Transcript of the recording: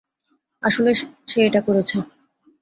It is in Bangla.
আসলে, সে এটা করেছে।